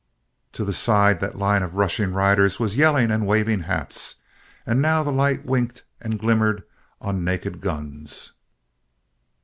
To the side, that line of rushing riders was yelling and waving hats. And now the light winked and glimmered on naked guns.